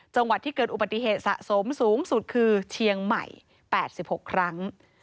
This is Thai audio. จังหวัดที่เกิดอุบัติเหตุสะสมสูงสุดคือเชียงใหม่๘๖ครั้ง